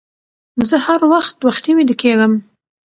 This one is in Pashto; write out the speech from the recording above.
زه هر وخت وختي ويده کيږم